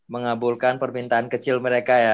mengabulkan permintaan kecil mereka ya